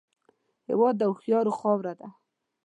هېواد د هوښیارو خاوره ده